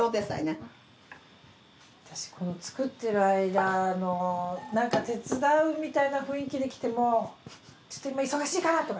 すごい作ってる間のなんか手伝うみたいな雰囲気で来てもちょっと今忙しいから。